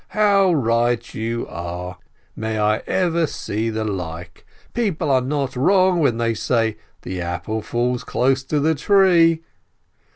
How right you are! May I ever see the like! People are not wrong when they say, 'The apple falls close to the tree'!